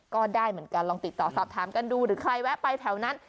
ก็ได้เหมือนกันลองติดต่อสอบถามกันดูหรือใครแวะไปแถวนั้น